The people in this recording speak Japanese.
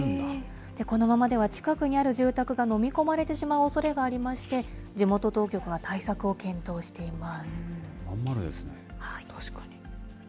このままでは近くにある住宅が飲み込まれてしまうおそれがありまして、地元当局が対策を検討しています。